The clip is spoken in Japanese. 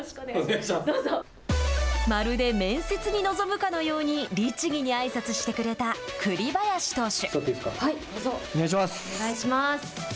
まるで面接に臨むかのように律義にあいさつしてくれた栗林投手。